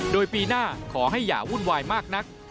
โดยปีหน้าขอให้อย่าวุ่นวายมากนัก